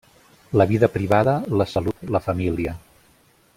La vida privada, la salut, la família.